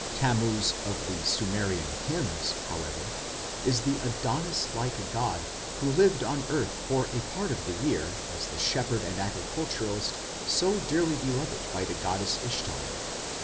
Tammuz of the Sumerian hymns, however, is the Adonis like god who lived on earth for a part of the year as the shepherd and agriculturist so dearly beloved by the goddess Ishtar.